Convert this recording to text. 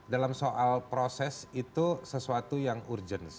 dalam soal proses itu sesuatu yang urgent